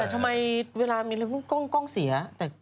แต่ทำไมเวลามีกล้องเสีย